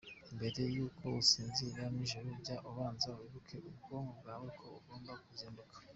Mbere y’uko usinzira nijoro, jya ubanza wibutse ubwonko bwawe ko ugomba kuzinduka.